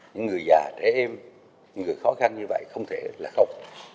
những người già trẻ em những người khó khăn như vậy không thể là không